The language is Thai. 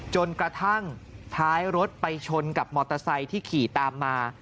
จนกระทั่งท้ายรถไปชนกับมอเตอร์ไซค์ที่ขี่ตามมา